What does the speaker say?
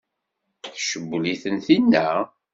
Tcewwel-iten tinna?